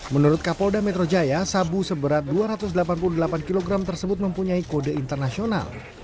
menurut kapolda metro jaya sabu seberat dua ratus delapan puluh delapan kg tersebut mempunyai kode internasional